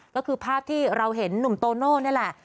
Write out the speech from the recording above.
ก็คือภาพที่เราเห็นหนุ่มโตโน่นี่แหละ